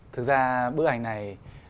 thực ra bức ảnh này